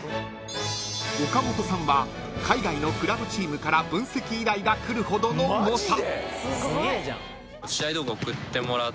［岡本さんは海外のクラブチームから分析依頼が来るほどの猛者］